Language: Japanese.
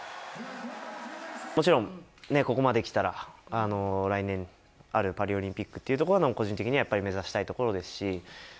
もちろん、ここまできたら来年あるパリオリンピックというところの個人的にはやっぱり、目指したいところですし。